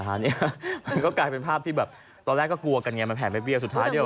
อันนี้มันก็กลายเป็นภาพที่แบบตอนแรกก็กลัวกันไงมันแผลไม่เบี้ยสุดท้ายเนี่ย